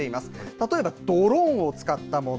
例えばドローンを使ったもの。